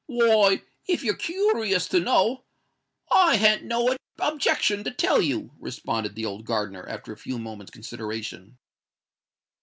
"Why—if you're koorious to know, I han't no objection to tell you," responded the old gardener, after a few moments' consideration.